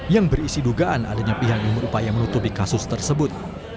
yang berisi dugaan adanya pihak yang berupaya menutupi kasus tersebut